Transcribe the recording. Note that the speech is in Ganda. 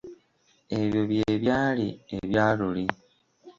Ebyo bye byali ebya luli.